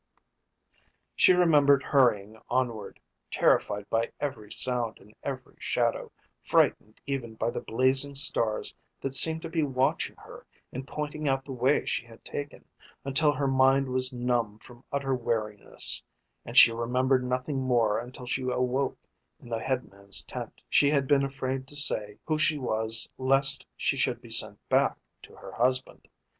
She remembered hurrying onward, terrified by every sound and every shadow, frightened even by the blazing stars that seemed to be watching her and pointing out the way she had taken, until her mind was numb from utter weariness and she remembered nothing more until she awoke in the headman's tent. She had been afraid to say who she was lest she should be sent back to her husband.